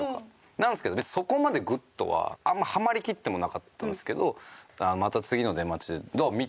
なんですけど別にそこまでグッとはあんまハマりきってもなかったんですけどまた次の出待ちで「どう？見た？」